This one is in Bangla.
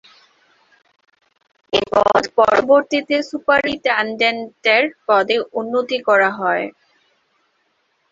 এই পদ পরবর্তীতে সুপারিন্টেডেন্টের পদে উন্নীত করা হয়।